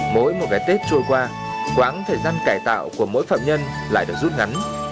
mỗi một cái tết trôi qua quãng thời gian cải tạo của mỗi phạm nhân lại được rút ngắn